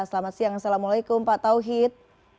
selamat siang assalamualaikum pak tauhid